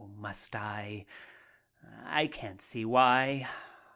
Must I? I can't see why.